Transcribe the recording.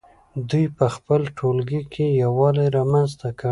دوی په خپل ټولګي کې یووالی رامنځته کړ.